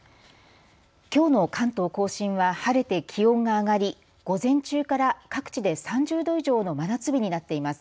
きょうの関東甲信は晴れて気温が上がり、午前中から各地で３０度以上の真夏日になっています。